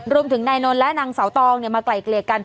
รวมถึงนายนนท์และนางเสาตองมาไกลเกลียดกัน